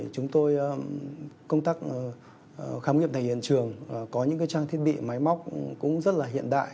chúng tôi công tác khám nghiệm tại hiện trường có những trang thiết bị máy móc cũng rất là hiện đại